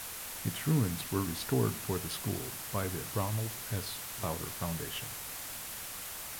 Its ruins were restored for the school by the Ronald S. Lauder Foundation.